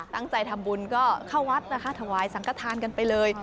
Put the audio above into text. ตั้งใจทำบุญก็เข้าวัดนะคะถวายสังกฐานกันไปเลย